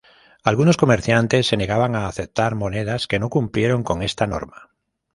Algunos comerciantes se negaban a aceptar monedas que no cumplieron con esta norma.